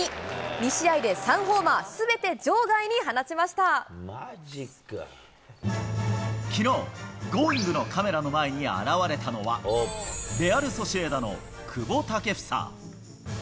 ２試合で３ホーマー、すべて場外きのう、Ｇｏｉｎｇ！のカメラの前に現れたのは、レアル・ソシエダの久保建英。